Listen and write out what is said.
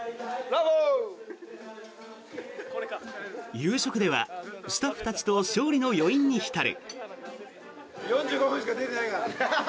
夕食ではスタッフたちと勝利の余韻に浸る。